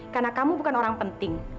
karena kamu bukan orang penting